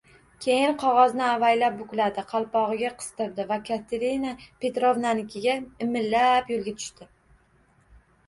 Keyin qogʻozni avaylab bukladi, qalpogʻiga qistirdi va Katerina Petrovnanikiga imillab yoʻlga tushdi.